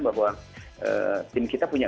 bahwa tim kita punya